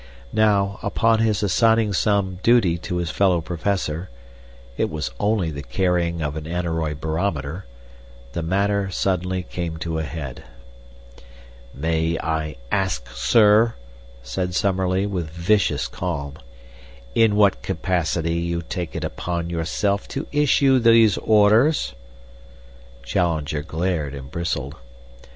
Now, upon his assigning some duty to his fellow Professor (it was only the carrying of an aneroid barometer), the matter suddenly came to a head. "May I ask, sir," said Summerlee, with vicious calm, "in what capacity you take it upon yourself to issue these orders?" Challenger glared and bristled.